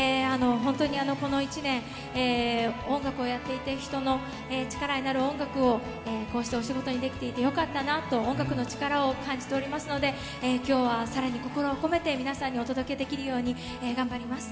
この１年、音楽やっていて人の力になる音楽をこうやってお仕事にできてよかったなと、音楽の力を感じておりますので、今日は更に皆さんにお届けできるように頑張ります。